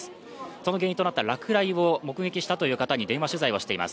その原因となった落雷を目撃したという方に電話取材をしています。